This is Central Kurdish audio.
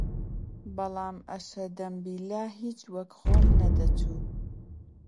بەڵام ئەشەدەمبیللا هیچ وەک خۆم نەدەچوو